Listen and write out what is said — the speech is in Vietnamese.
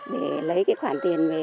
để lấy cái khoản tiền về